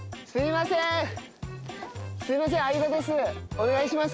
お願いします